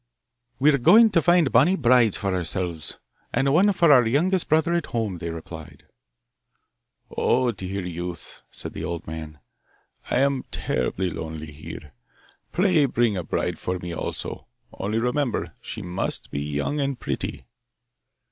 'We are going to find bonny brides for ourselves, and one for our youngest brother at home,' they replied. 'Oh! dear youths,' said the old man, 'I am terribly lonely here; pray bring a bride for me also; only remember, she must be young and pretty.